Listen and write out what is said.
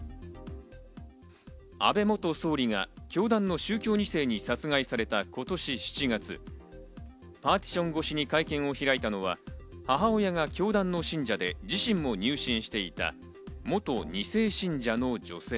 安倍元総理が教団の宗教二世に殺害された今年７月、パーティション越しに会見を開いたのは、母親が教団の信者で、自身も入信していた元二世信者の女性。